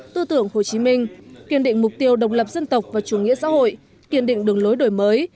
tư tưởng hồ chí minh kiên định mục tiêu độc lập dân tộc và chủ nghĩa xã hội kiên định đường lối đổi mới